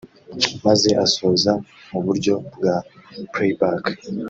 maze asoza mu buryo bwa playback